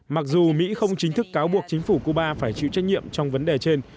mặc dù mỹ không chính thức cáo buộc chính phủ cuba phải chịu trách nhiệm trong vấn đề trên